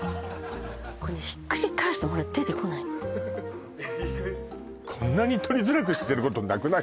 これねひっくり返してもほら出てこないのこんなに取りづらくしてることなくない？